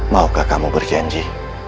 maukah kamu berjanji